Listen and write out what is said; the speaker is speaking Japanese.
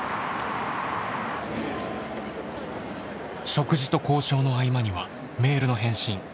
食事と交渉の合間にはメールの返信。